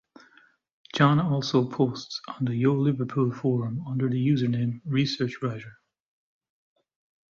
John also posts on the YoLiverpool forum under the username ResearchWriter.